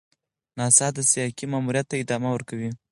ناسا د سایکي ماموریت ته ادامه ورکوي.